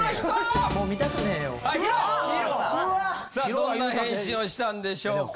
どんな返信をしたんでしょうか？